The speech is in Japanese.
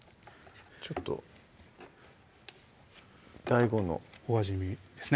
ちょっとＤＡＩＧＯのお味見ですね